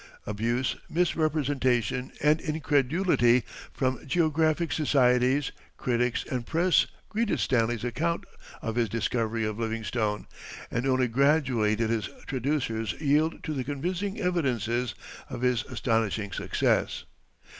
Abuse, misrepresentation, and incredulity from geographic societies, critics, and press greeted Stanley's account of his discovery of Livingstone, and only gradually did his traducers yield to the convincing evidences of his astonishing success.